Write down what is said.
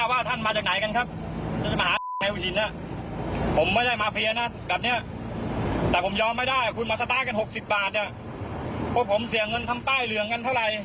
ว่าช่างเงินคำใต้เหลืองกันเท่าไหร่